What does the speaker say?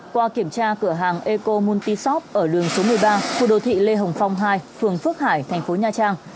qua kiểm tra cửa hàng eco multi shop ở lường số một mươi ba khu đô thị lê hồng phong hai phường phước hải thành phố nha trang